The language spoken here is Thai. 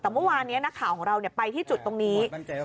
แต่เมื่อวานนี้นักข่าวของเราไปที่จุดตรงนี้